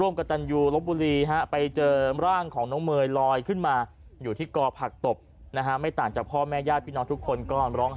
เมยรอยขึ้นมาอยู่ที่กอผักตบนะฮะไม่ต่างจากพ่อแม่ย่าพี่น้องทุกคนก็ร้อง